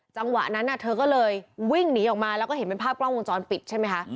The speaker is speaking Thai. จังหวะนั้นเธอก็เลยวิ่งหนีออกมาแล้วก็เห็นเป็นภาพกล้องวงจรปิดใช่ไหมคะ